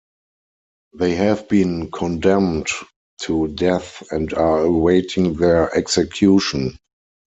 They have been condemned to death and are awaiting their execution.